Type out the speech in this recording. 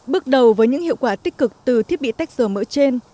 bước đầu với những hiệu quả tích cực từ thiết bị tách rời mỡ trên